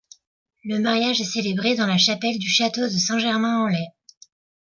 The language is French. Le mariage est célébré dans la chapelle du château de Saint-Germain-en-Laye.